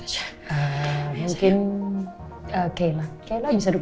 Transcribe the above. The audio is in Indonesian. terima kasih sayang